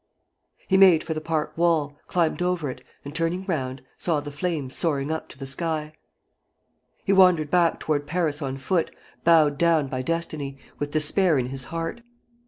'" He made for the park wall, climbed over it, and turning round, saw the flames soaring up to the sky. ...He wandered back toward Paris on foot, bowed down by destiny, with despair in his heart.